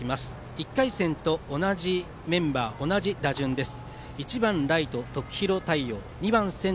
１回戦と同じメンバー同じ打順です。